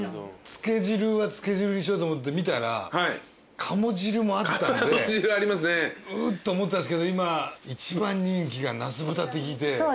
つけ汁にしようと思って見たら鴨汁もあったんでうっと思ったんですけど今一番人気が茄子豚って聞いて。